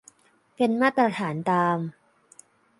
เป็นมาตรฐานตาม